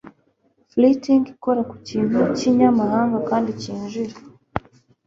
Fleeting ikora ku kintu kinyamahanga kandi cyinjira